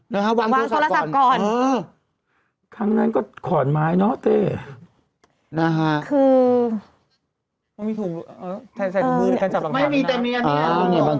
มันเป็นใบไม้สักอย่างอ่ะหรือว่าเป็นหนึ่งนิดหนึ่ง